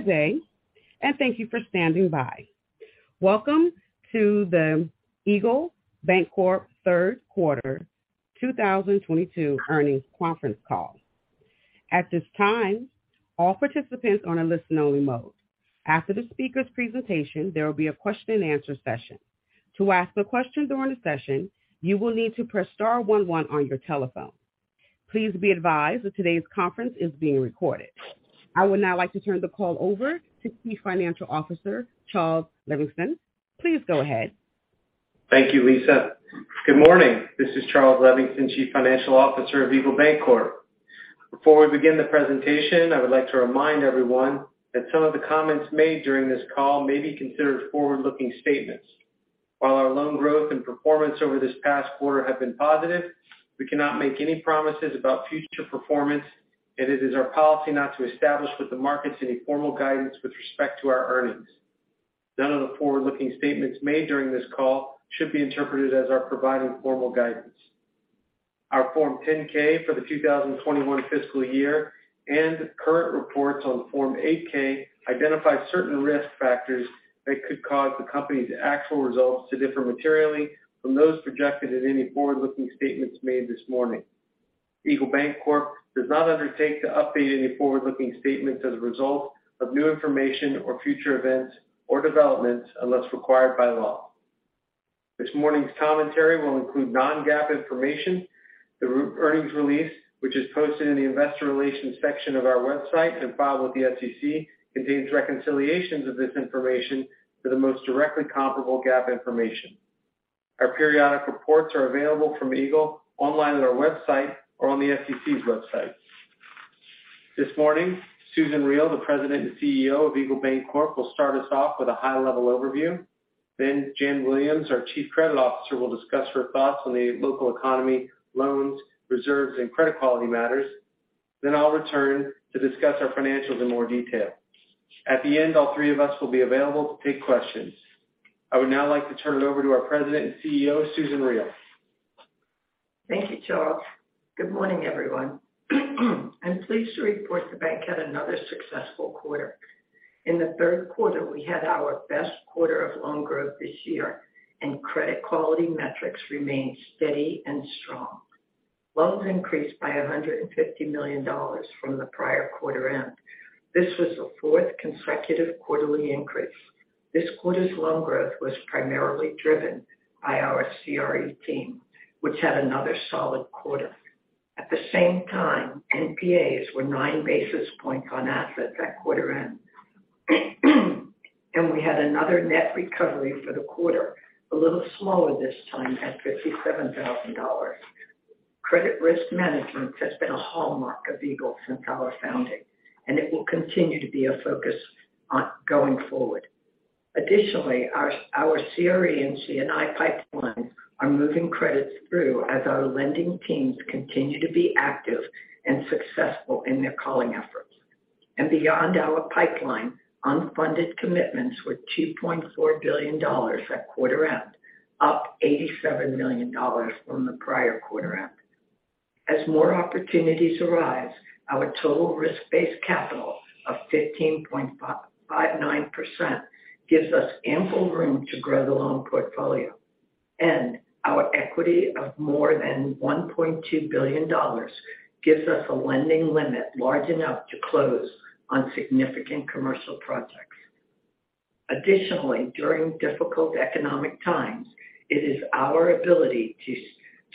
Good day, and thank you for standing by. Welcome to the Eagle Bancorp Q3 2022 earnings Conference Call. At this time, all participants are in listen only mode. After the speaker's presentation, there will be a question-and-answer session. To ask a question during the session, you will need to press * one one on your telephone. Please be advised that today's conference is being recorded. I would now like to turn the call over to Chief Financial Officer, Charles Levingston. Please go ahead. Thank you, Lisa. Good morning. This is Charles Levingston, Chief Financial Officer of Eagle Bancorp. Before we begin the presentation, I would like to remind everyone that some of the comments made during this call may be considered forward-looking statements. While our loan growth and performance over this past quarter have been positive, we cannot make any promises about future performance, and it is our policy not to establish with the markets any formal guidance with respect to our earnings. None of the forward-looking statements made during this call should be interpreted as our providing formal guidance. Our Form 10-K for the 2021 fiscal year and current reports on Form 8-K identify certain risk factors that could cause the company's actual results to differ materially from those projected in any forward-looking statements made this morning. Eagle Bancorp does not undertake to update any forward-looking statements as a result of new information or future events or developments unless required by law. This morning's commentary will include Non-GAAP information. The earnings release, which is posted in the investor relations section of our website and filed with the SEC, contains reconciliations of this information for the most directly comparable GAAP information. Our periodic reports are available from Eagle online at our website or on the SEC's website. This morning, Susan Riel, the President and CEO of Eagle Bancorp, will start us off with a high-level overview. Jan Williams, our Chief Credit Officer, will discuss her thoughts on the local economy, loans, reserves, and credit quality matters. I'll return to discuss our financials in more detail. At the end, all three of us will be available to take questions. I would now like to turn it over to our President and CEO, Susan Riel. Thank you, Charles. Good morning, everyone. I'm pleased to report the bank had another successful quarter. In Q3, we had our best quarter of loan growth this year, and credit quality metrics remained steady and strong. Loans increased by $150 million from the prior quarter end. This was the fourth consecutive quarterly increase. This quarter's loan growth was primarily driven by our CRE team, which had another solid quarter. At the same time, NPAs were 9 basis points on assets at quarter end, and we had another net recovery for the quarter, a little smaller this time at $57,000. Credit risk management has been a hallmark of Eagle since our founding, and it will continue to be a focus going forward. Additionally, our CRE and C&I pipelines are moving credits through as our lending teams continue to be active and successful in their calling efforts. Beyond our pipeline, unfunded commitments were $2.4 billion at quarter end, up $87 million from the prior quarter end. As more opportunities arise, our total risk-based capital of 15.559% gives us ample room to grow the loan portfolio. Our equity of more than $1.2 billion gives us a lending limit large enough to close on significant commercial projects. Additionally, during difficult economic times, it is our ability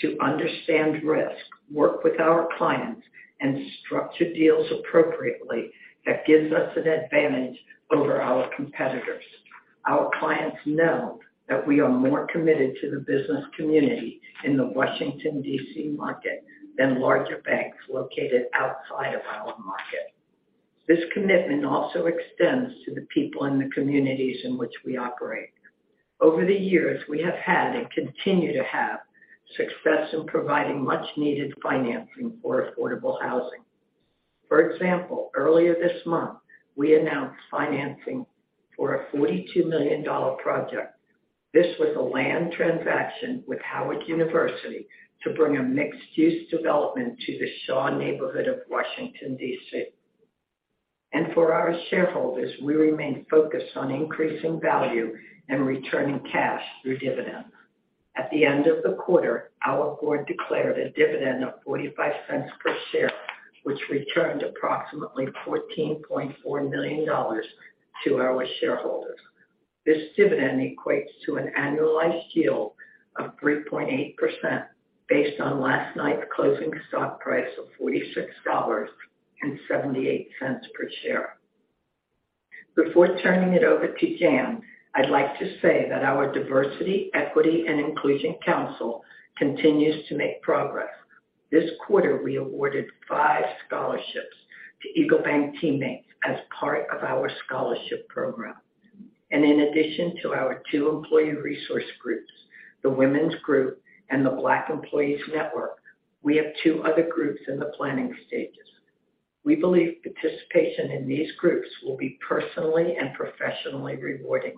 to understand risk, work with our clients, and structure deals appropriately that gives us an advantage over our competitors. Our clients know that we are more committed to the business community in the Washington, D.C. market than larger banks located outside of our market. This commitment also extends to the people in the communities in which we operate. Over the years, we have had and continue to have success in providing much-needed financing for affordable housing. For example, earlier this month, we announced financing for a $42 million project. This was a land transaction with Howard University to bring a mixed-use development to the Shaw neighborhood of Washington, D.C. For our shareholders, we remain focused on increasing value and returning cash through dividends. At the end of the quarter, our board declared a dividend of $0.45 per share, which returned approximately $14.4 million to our shareholders. This dividend equates to an annualized yield of 3.8% based on last night's closing stock price of $46.78 per share. Before turning it over to Jan, I'd like to say that our Diversity, Equity and Inclusion Council continues to make progress. This quarter, we awarded five scholarships to EagleBank teammates as part of our scholarship program. In addition to our two employee resource groups, the women's group and the Black Employees Network, we have two other groups in the planning stages. We believe participation in these groups will be personally and professionally rewarding,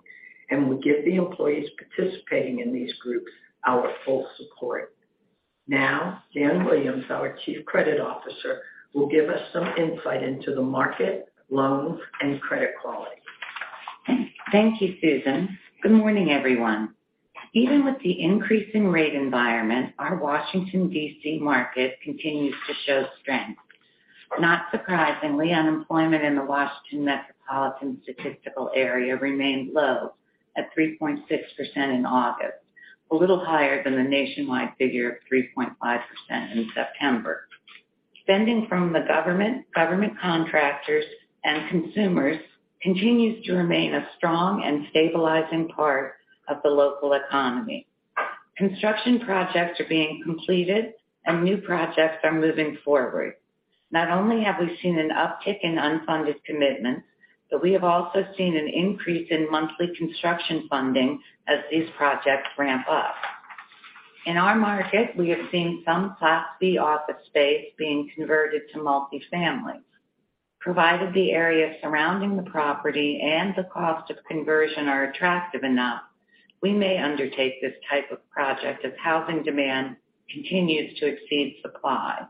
and we give the employees participating in these groups our full support. Now Jan Williams, our Chief Credit Officer, will give us some insight into the market, loans, and credit quality. Thank you, Susan. Good morning, everyone. Even with the increase in rate environment, our Washington, D.C. market continues to show strength. Not surprisingly, unemployment in the Washington metropolitan statistical area remained low at 3.6% in August, a little higher than the nationwide figure of 3.5% in September. Spending from the government contractors, and consumers continues to remain a strong and stabilizing part of the local economy. Construction projects are being completed and new projects are moving forward. Not only have we seen an uptick in unfunded commitments, but we have also seen an increase in monthly construction funding as these projects ramp up. In our market, we have seen some class B office space being converted to multifamily. Provided the area surrounding the property and the cost of conversion are attractive enough, we may undertake this type of project as housing demand continues to exceed supply.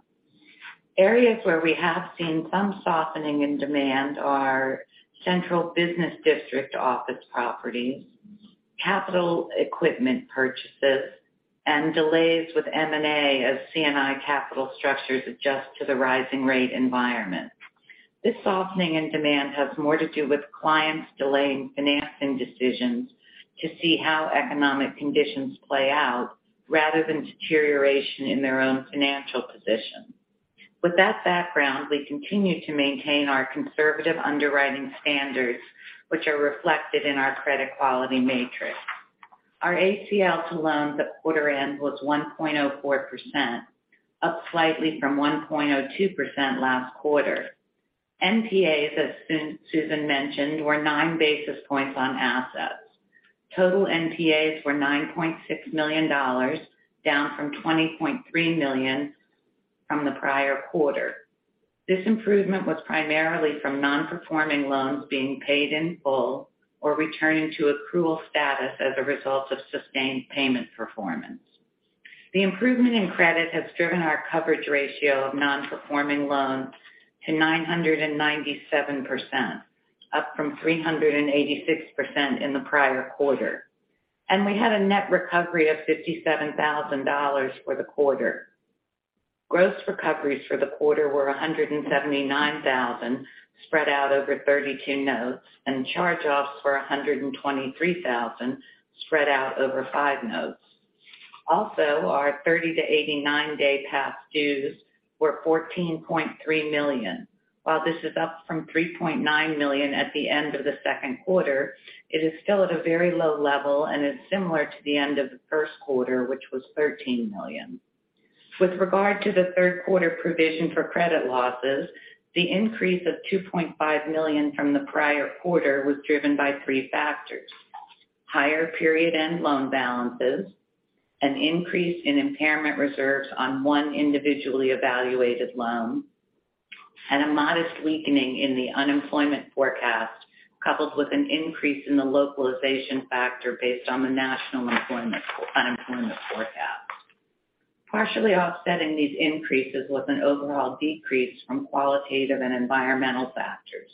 Areas where we have seen some softening in demand are central business district office properties, capital equipment purchases, and delays with M&A as C&I capital structures adjust to the rising rate environment. This softening in demand has more to do with clients delaying financing decisions to see how economic conditions play out rather than deterioration in their own financial position. With that background, we continue to maintain our conservative underwriting standards, which are reflected in our credit quality matrix. Our ACL to loans at quarter end was 1.04%, up slightly from 1.02% last quarter. NPAs, as Susan mentioned, were nine basis points on assets. Total NPAs were $90.6 million, down from $20.3 million from the prior quarter. This improvement was primarily from non-performing loans being paid in full or returning to accrual status as a result of sustained payment performance. The improvement in credit has driven our coverage ratio of non-performing loans to 997%, up from 386% in the prior quarter. We had a net recovery of $57,000 for the quarter. Gross recoveries for the quarter were $179,000 spread out over 32 notes, and charge-offs were $123,000 spread out over 5 notes. Also, our 30- to 89-day past dues were $14.3 million. While this is up from $3.9 million at the end of Q2, it is still at a very low level and is similar to the end of the Q1, which was $13 million. With regard to Q3 provision for credit losses, the increase of $2.5 million from the prior quarter was driven by three factors. Higher period-end loan balances, an increase in impairment reserves on one individually evaluated loan, and a modest weakening in the unemployment forecast, coupled with an increase in the localization factor based on the national unemployment forecast. Partially offsetting these increases was an overall decrease from qualitative and environmental factors.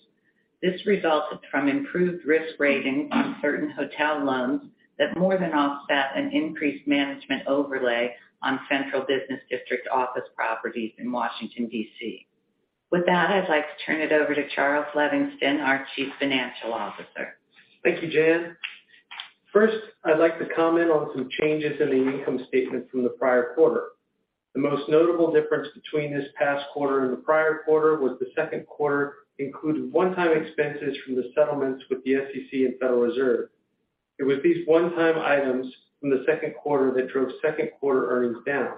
This resulted from improved risk ratings on certain hotel loans that more than offset an increased management overlay on central business district office properties in Washington, D.C. With that, I'd like to turn it over to Charles Levingston, our Chief Financial Officer. Thank you, Jan. First, I'd like to comment on some changes in the income statement from the prior quarter. The most notable difference between this past quarter and the prior quarter was Q2 included one-time expenses from the settlements with the SEC and Federal Reserve. It was these one-time items from Q2 that drove Q2 earnings down.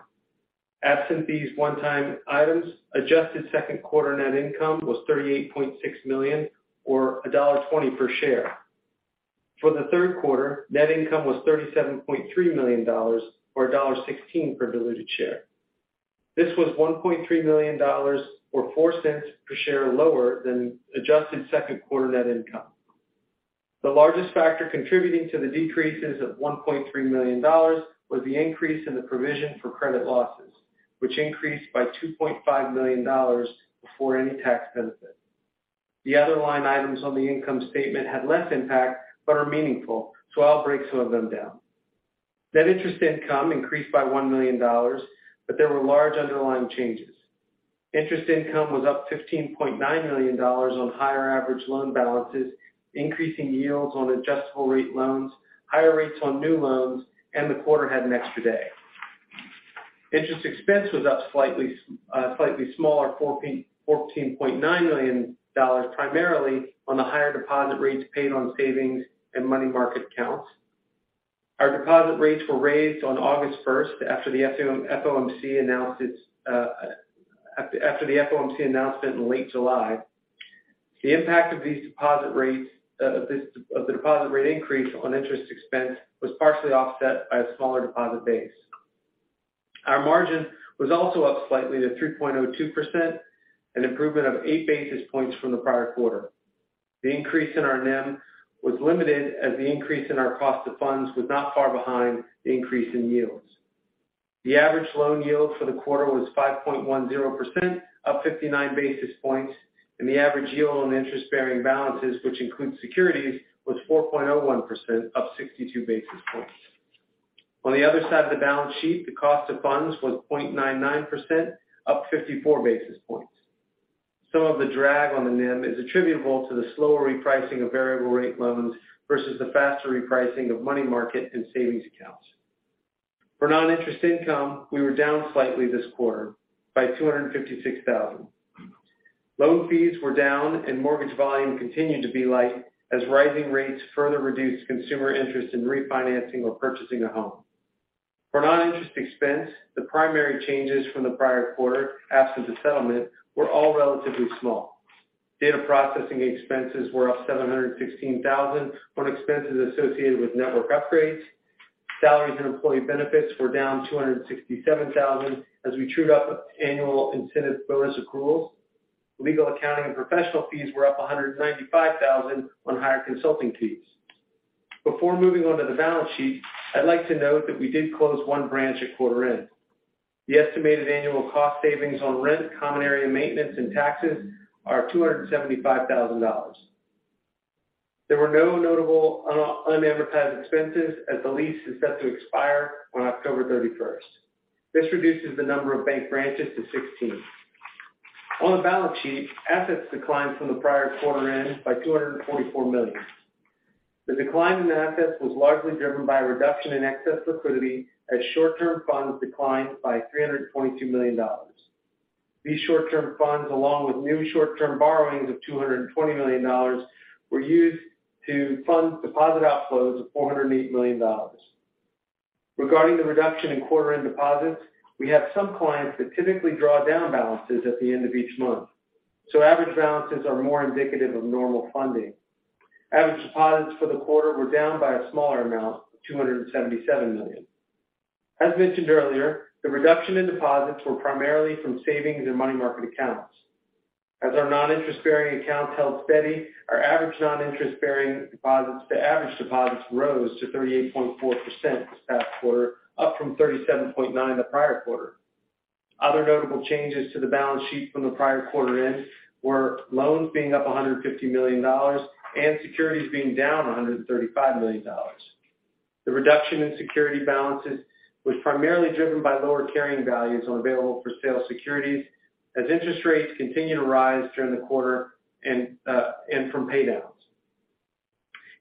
Absent these one-time items, adjusted Q2 net income was $38.6 million or $1.20 per share. For the Q3, net income was $37.3 million or $1.16 per diluted share. This was $1.3 million or $0.04 per share lower than adjusted Q2 net income. The largest factor contributing to the decreases of $1.3 million was the increase in the provision for credit losses, which increased by $2.5 million before any tax benefit. The other line items on the income statement had less impact but are meaningful, so I'll break some of them down. Net interest income increased by $1 million, but there were large underlying changes. Interest income was up $15.9 million on higher average loan balances, increasing yields on adjustable-rate loans, higher rates on new loans, and the quarter had an extra day. Interest expense was up slightly smaller, $14.9 million, primarily on the higher deposit rates paid on savings and money market accounts. Our deposit rates were raised on August first after the FOMC announcement in late July. The impact of the deposit rate increase on interest expense was partially offset by a smaller deposit base. Our margin was also up slightly to 3.02%, an improvement of 8 basis points from the prior quarter. The increase in our NIM was limited as the increase in our cost of funds was not far behind the increase in yields. The average loan yield for the quarter was 5.10%, up 59 basis points, and the average yield on interest-bearing balances, which includes securities, was 4.01%, up 62 basis points. On the other side of the balance sheet, the cost of funds was 0.99%, up 54 basis points. Some of the drag on the NIM is attributable to the slower repricing of variable rate loans versus the faster repricing of money market and savings accounts. For non-interest income, we were down slightly this quarter by $256,000. Loan fees were down and mortgage volume continued to be light as rising rates further reduced consumer interest in refinancing or purchasing a home. For non-interest expense, the primary changes from the prior quarter, absent the settlement, were all relatively small. Data processing expenses were up $716,000 on expenses associated with network upgrades. Salaries and employee benefits were down $267,000 as we trued up annual incentive bonus accruals. Legal, accounting, and professional fees were up $195 thousand on higher consulting fees. Before moving on to the balance sheet, I'd like to note that we did close 1 branch at quarter end. The estimated annual cost savings on rent, common area maintenance, and taxes are $275 thousand. There were no notable unadvertised expenses as the lease is set to expire on October 31. This reduces the number of bank branches to 16. On the balance sheet, assets declined from the prior quarter end by $244 million. The decline in assets was largely driven by a reduction in excess liquidity as short-term funds declined by $322 million. These short-term funds, along with new short-term borrowings of $220 million, were used to fund deposit outflows of $408 million. Regarding the reduction in quarter-end deposits, we have some clients that typically draw down balances at the end of each month, so average balances are more indicative of normal funding. Average deposits for the quarter were down by a smaller amount of $277 million. As mentioned earlier, the reduction in deposits were primarily from savings and money market accounts. As our non-interest-bearing accounts held steady, our average non-interest-bearing deposits to average deposits rose to 38.4% this past quarter, up from 37.9% the prior quarter. Other notable changes to the balance sheet from the prior quarter end were loans being up $150 million and securities being down $135 million. The reduction in security balances was primarily driven by lower carrying values on available-for-sale securities as interest rates continued to rise during the quarter and from paydowns.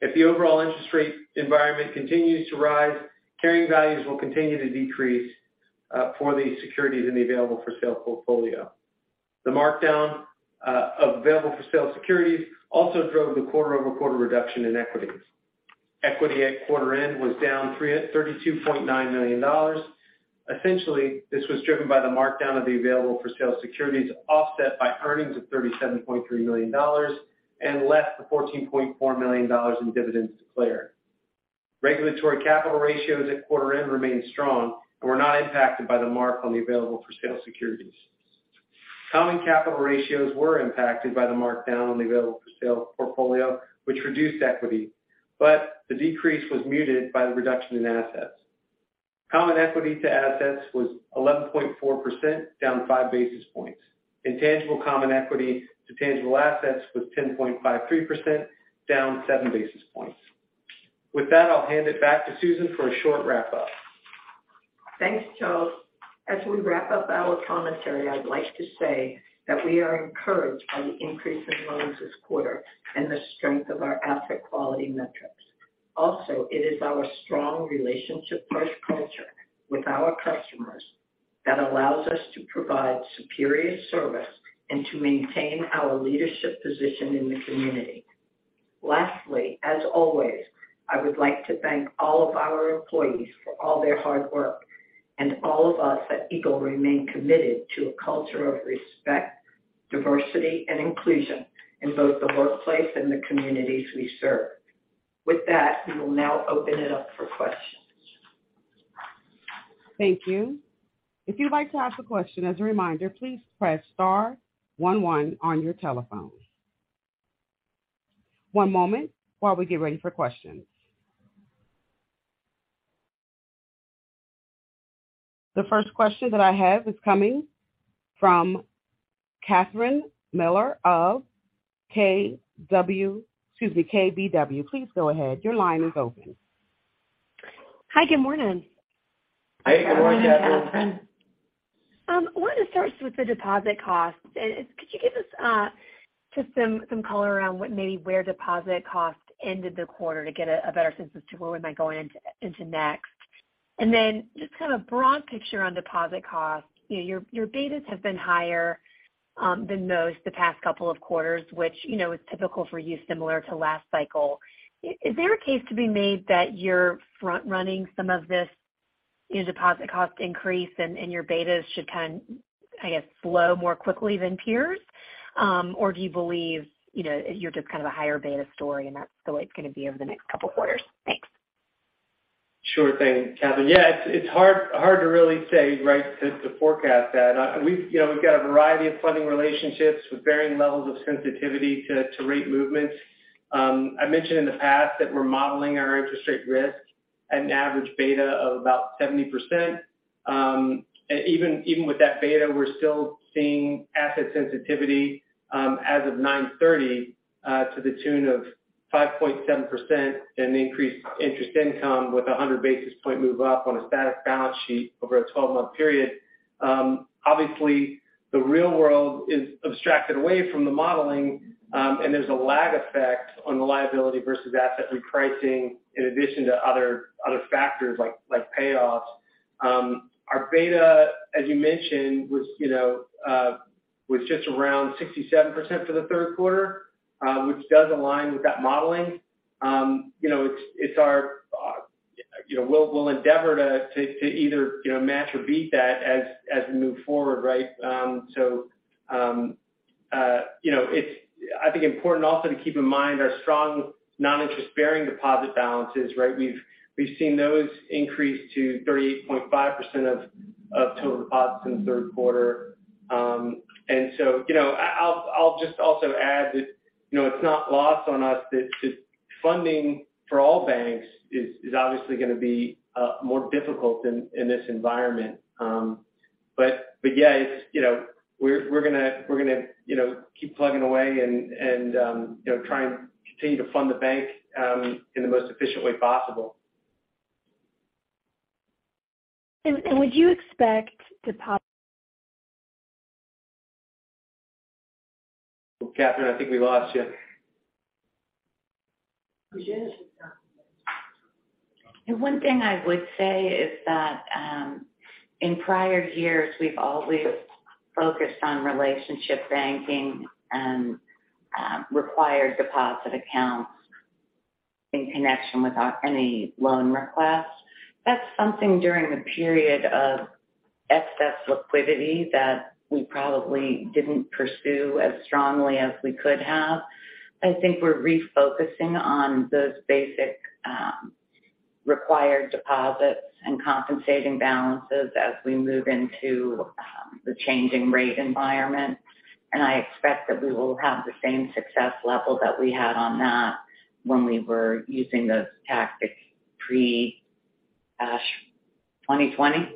If the overall interest rate environment continues to rise, carrying values will continue to decrease for the securities in the available-for-sale portfolio. The markdown of available-for-sale securities also drove the quarter-over-quarter reduction in equities. Equity at quarter end was down $32.9 million. Essentially, this was driven by the markdown of the available-for-sale securities, offset by earnings of $37.3 million, and less the $14.4 million in dividends declared. Regulatory capital ratios at quarter end remained strong and were not impacted by the mark on the available-for-sale securities. Common capital ratios were impacted by the markdown on the available-for-sale portfolio, which reduced equity. The decrease was muted by the reduction in assets. Common equity to assets was 11.4%, down five basis points, and tangible common equity to tangible assets was 10.53%, down seven basis points. With that, I'll hand it back to Susan for a short wrap-up. Thanks, Charles. As we wrap up our commentary, I'd like to say that we are encouraged by the increase in loans this quarter and the strength of our asset quality metrics. Also, it is our strong relationship-first culture with our customers that allows us to provide superior service and to maintain our leadership position in the community. Lastly, as always, I would like to thank all of our employees for all their hard work. All of us at Eagle remain committed to a culture of respect, diversity, and inclusion in both the workplace and the communities we serve. With that, we will now open it up for questions. Thank you. If you'd like to ask a question, as a reminder, please press * one one on your telephone. One moment while we get ready for questions. The first question that I have is coming from Catherine Mealor of KBW. Please go ahead. Your line is open. Hi. Good morning. Hey, good morning, Catherine. Wanted to start with the deposit costs. Could you give us just some color around what maybe where deposit costs ended the quarter to get a better sense as to where we might go into next? Then just kind of broad picture on deposit costs. You know, your betas have been higher than most the past couple of quarters, which, you know, is typical for you similar to last cycle. Is there a case to be made that you're front running some of this, you know, deposit cost increase and your betas should kind of, I guess, slow more quickly than peers? Do you believe, you know, you're just kind of a higher beta story, and that's the way it's gonna be over the next couple of quarters? Thanks. Sure thing, Catherine. Yeah, it's hard to really say, right, to forecast that. You know, we've got a variety of funding relationships with varying levels of sensitivity to rate movements. I mentioned in the past that we're modeling our interest rate risk at an average beta of about 70%. Even with that beta, we're still seeing asset sensitivity as of 9/30 to the tune of 5.7% and increased interest income with a 100 basis point move up on a static balance sheet over a 12-month period. Obviously, the real world is abstracted away from the modeling and there's a lag effect on the liability versus asset repricing in addition to other factors like payoffs. Our beta, as you mentioned, was, you know, just around 67% for Q3, which does align with that modeling. You know, it's our, you know, we'll endeavor to either, you know, match or beat that as we move forward, right? You know, it's I think important also to keep in mind our strong non-interest-bearing deposit balances, right? We've seen those increase to 38.5% of total deposits in Q3. You know, I'll just also add that, you know, it's not lost on us that just funding for all banks is obviously gonna be more difficult in this environment. Yeah, it's, you know, we're gonna, you know, keep plugging away and, you know, try and continue to fund the bank in the most efficient way possible. Would you expect deposit- Catherine, I think we lost you. We did? The one thing I would say is that, in prior years, we've always focused on relationship banking and, required deposit accounts in connection with our C&I loan request. That's something during the period of excess liquidity that we probably didn't pursue as strongly as we could have. I think we're refocusing on those basic, required deposits and compensating balances as we move into, the changing rate environment. I expect that we will have the same success level that we had on that when we were using those tactics pre-2020.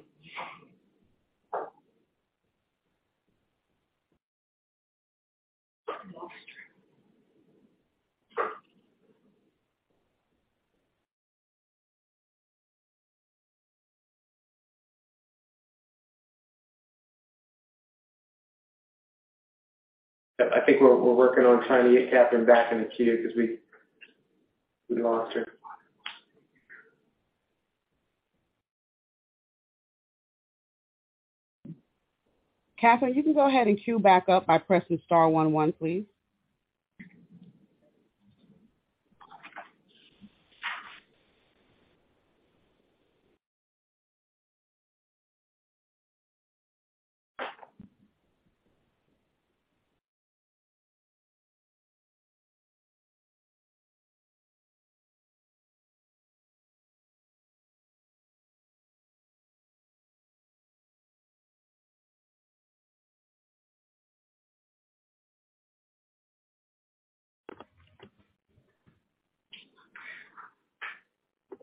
I think we're working on trying to get Catherine back in the queue because we lost her. Catherine, you can go ahead and queue back up by pressing * one one, please.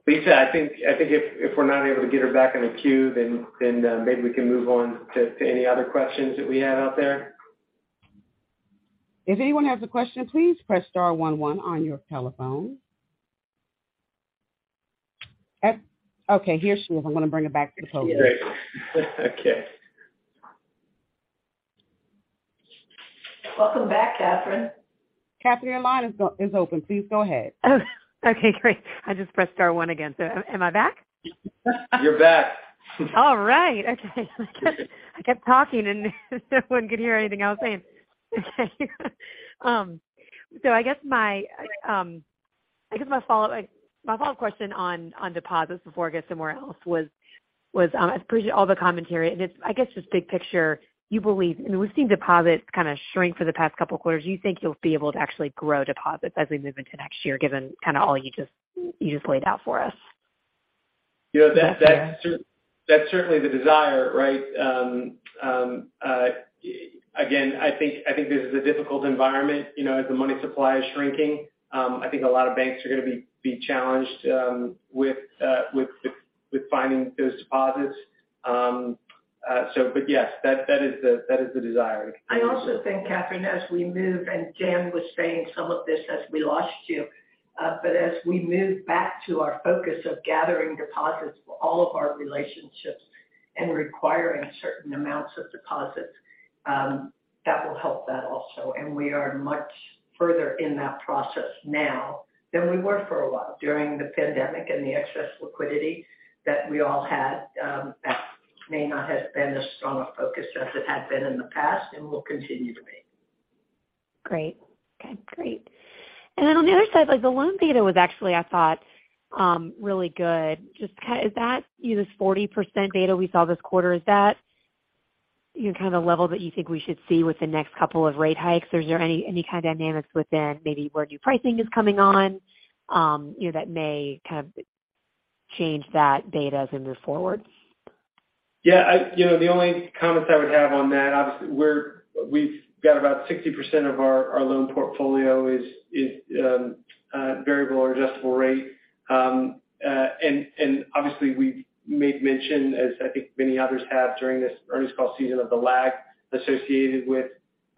Lisa, I think if we're not able to get her back in the queue, then maybe we can move on to any other questions that we have out there. If anyone has a question, please press * one one on your telephone. Okay. Okay, here she is. I'm gonna bring her back to the phone. Great. Okay. Welcome back, Catherine. Catherine, your line is open. Please go ahead. Oh. Okay, great. I just pressed * one again. Am I back? You're back. All right. Okay. I kept talking, and no one could hear anything I was saying. I guess my follow-up question on deposits before I get somewhere else was, I appreciate all the commentary, and it's, I guess, just big picture. You believe and we've seen deposits kind of shrink for the past couple quarters. Do you think you'll be able to actually grow deposits as we move into next year given all you just laid out for us? You know, that's certainly the desire, right? Again, I think this is a difficult environment, you know, as the money supply is shrinking. I think a lot of banks are gonna be challenged with finding those deposits. But yes, that is the desire. I also think, Catherine, as we move, and Jan was saying some of this as we lost you, but as we move back to our focus of gathering deposits for all of our relationships and requiring certain amounts of deposits, that will help that also. We are much further in that process now than we were for a while. During the pandemic and the excess liquidity that we all had, that may not have been as strong a focus as it had been in the past and will continue to be. Great. Okay, great. On the other side, like, the loan beta was actually, I thought, really good. Is that, you know, this 40% beta we saw this quarter, is that? You know, kind of the level that you think we should see with the next couple of rate hikes. Is there any kind of dynamics within maybe where new pricing is coming on, you know, that may kind of change that beta as we move forward? Yeah. You know, the only comments I would have on that, obviously we've got about 60% of our loan portfolio is and obviously we've made mention as I think many others have during this earnings call season of the lag associated with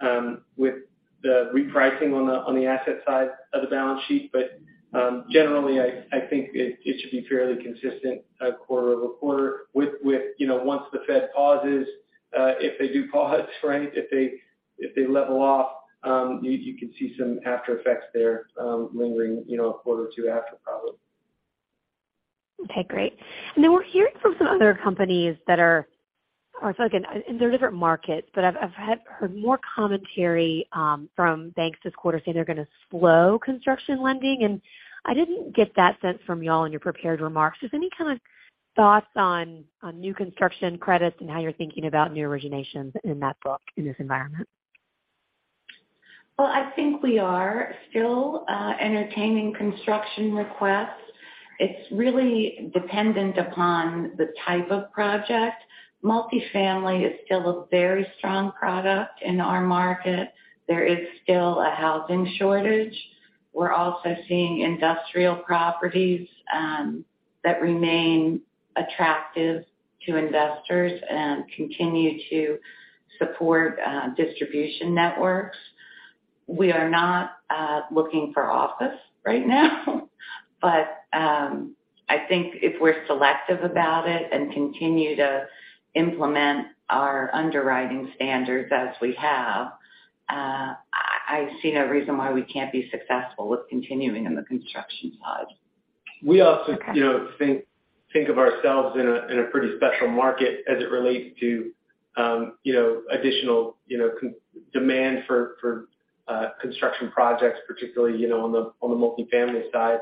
the repricing on the asset side of the balance sheet. Generally I think it should be fairly consistent quarter over quarter with you know, once the Fed pauses, if they do pause, right? If they level off, you can see some aftereffects there, lingering, you know, a quarter or two after probably. Okay, great. We're hearing from some other companies or it's like in their different markets, but I've heard more commentary from banks this quarter saying they're gonna slow construction lending, and I didn't get that sense from y'all in your prepared remarks. Just any kind of thoughts on new construction credits and how you're thinking about new originations in that book in this environment? I think we are still entertaining construction requests. It's really dependent upon the type of project. Multifamily is still a very strong product in our market. There is still a housing shortage. We're also seeing industrial properties that remain attractive to investors and continue to support distribution networks. We are not looking for office right now. I think if we're selective about it and continue to implement our underwriting standards as we have, I see no reason why we can't be successful with continuing on the construction side. We also- Okay. You know, think of ourselves in a pretty special market as it relates to, you know, additional, you know, demand for construction projects, particularly, you know, on the multifamily side.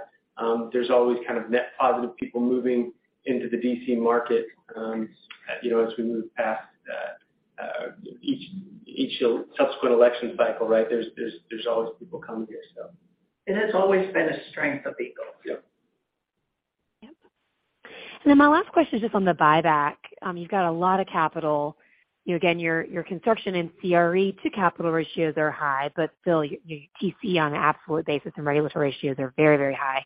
There's always kind of net positive people moving into the D.C. market, you know, as we move past each subsequent election cycle, right? There's always people coming here, so. It has always been a strength of Eagle. Yeah. Yep. Then my last question is just on the buyback. You've got a lot of capital. You know, again, your construction and CRE to capital ratios are high, but still your TC on an absolute basis and regulatory ratios are very, very high.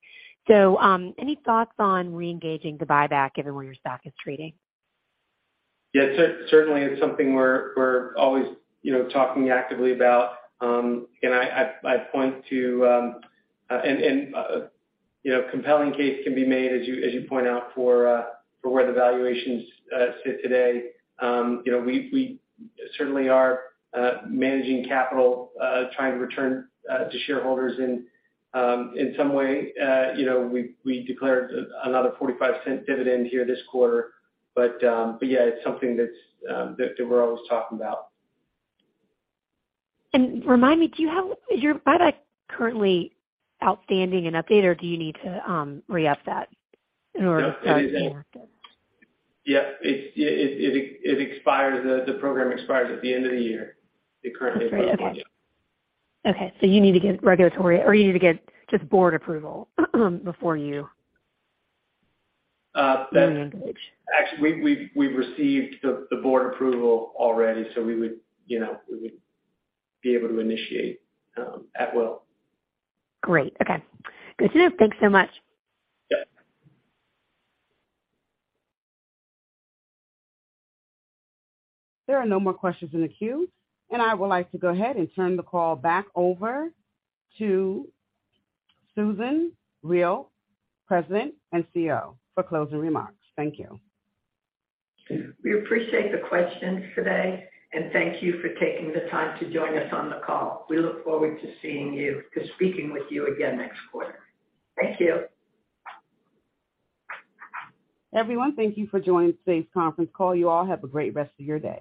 Any thoughts on reengaging the buyback given where your stock is trading? Yeah. Certainly it's something we're always, you know, talking actively about. I point to you know, compelling case can be made, as you point out for where the valuations sit today. You know, we certainly are managing capital, trying to return to shareholders in some way. You know, we declared another $0.45 dividend here this quarter. Yeah, it's something that we're always talking about. Remind me, do you have your buyback currently outstanding and updated, or do you need to re-up that in order to start again? Yeah. It expires. The program expires at the end of the year. It currently- Great. Okay. Yeah. Okay. You need to get regulatory or you need to get just board approval before you. Uh, that's- Re-engage. Actually, we've received the board approval already, so we would, you know, we would be able to initiate at will. Great. Okay. Good to know. Thanks so much. Yeah. There are no more questions in the queue. I would like to go ahead and turn the call back over to Susan Riel, President and CEO, for closing remarks. Thank you. We appreciate the questions today, and thank you for taking the time to join us on the call. We look forward to speaking with you again next quarter. Thank you. Everyone, thank you for joining today's Conference Call. You all have a great rest of your day.